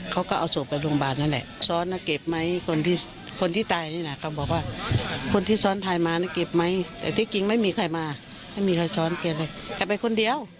เขาก็เอาศพไปโรงพยาบาลนั่นแหละซ้อนนะเก็บไหมคนที่คนที่ตายนี่นะเขาบอกว่าคนที่ซ้อนท้ายมานะเก็บไหมแต่ที่จริงไม่มีใครมาไม่มีใครซ้อนเก็บเลยแกไปคนเดียว